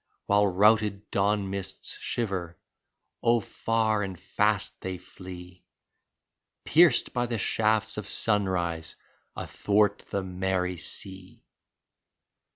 While routed dawn mists shiver — oh, far and fast they flee. Pierced by the shafts of sunrise athwart the merry sea